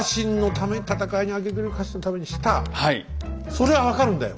それは分かるんだよ